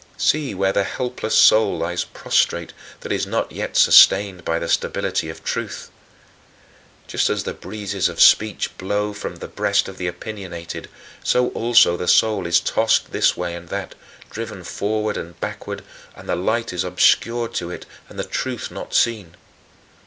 See where the helpless soul lies prostrate that is not yet sustained by the stability of truth! Just as the breezes of speech blow from the breast of the opinionated, so also the soul is tossed this way and that, driven forward and backward, and the light is obscured to it and the truth not seen.